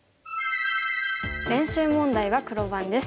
練習問題は黒番です。